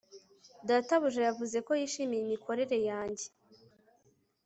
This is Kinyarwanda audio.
Databuja yavuze ko yishimiye imikorere yanjye